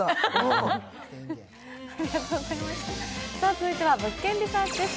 続いては「物件リサーチ」です。